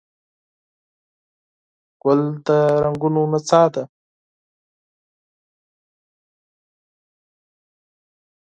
ګل د رنګونو نڅا ده.